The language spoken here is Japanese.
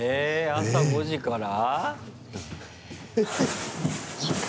朝５時から？